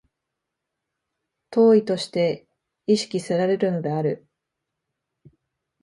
当為として意識せられるのである。